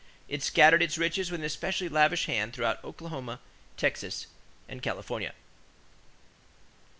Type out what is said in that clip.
It scattered its riches with an especially lavish hand through Oklahoma, Texas, and California.